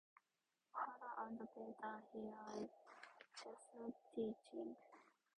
Fara and Peter hear Jesus teaching.